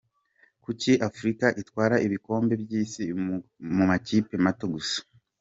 Kuki Afurika itwara ibikombe by’Isi mu makipe mato gusa?.